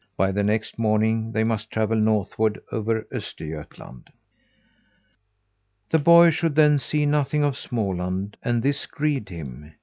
By the next morning they must travel northward, over Östergötland. The boy should then see nothing of Småland, and this grieved him.